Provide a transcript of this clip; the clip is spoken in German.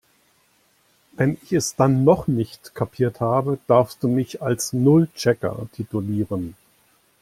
Wenn ich es dann noch nicht kapiert habe, darfst du mich als Nullchecker titulieren.